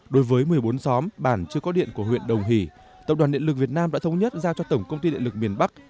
đối với một mươi bốn xóm bản chưa có điện của huyện đồng hỷ tập đoàn điện lực việt nam đã thống nhất giao cho tổng công ty điện lực miền bắc